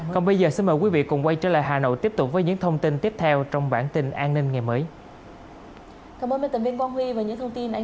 còn bây giờ xin mời quý vị cùng quay trở lại hà nội tiếp tục với những thông tin tiếp theo trong bản tin an ninh ngày mới